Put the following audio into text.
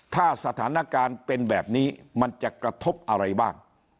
ถ้าสถานการณ์เป็นแบบนี้มันจะกระทบอะไรบ้าง